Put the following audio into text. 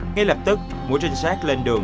ngay lập tức mũi trinh sát lên đường